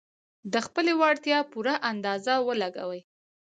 د خپلې وړتيا پوره اندازه ولګوي.